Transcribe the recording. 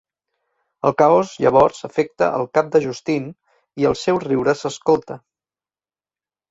El caos llavors afecta el cap de Justine i el seu riure s'escolta.